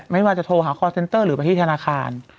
ไม่ว่าจะโทรหาคอร์เซ็นเตอร์หรือไปที่ธนาคาร